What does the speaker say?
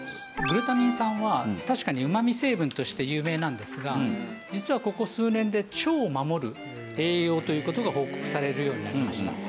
グルタミン酸は確かにうまみ成分として有名なんですが実はここ数年で腸を守る栄養という事が報告されるようになりました。